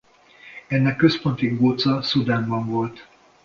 Ennek a központi góca Szudánban volt.